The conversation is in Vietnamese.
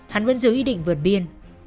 hắn vẫn giữ ý định vượt biên